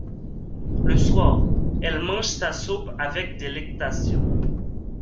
Le soir, elle mange sa soupe avec délectation.